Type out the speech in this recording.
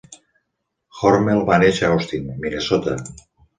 Hormel va néixer a Austin, Minnesota.